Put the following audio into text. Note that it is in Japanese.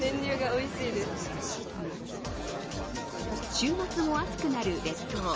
週末も暑くなる列島。